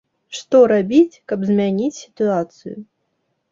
Што рабіць, каб змяніць сітуацыю?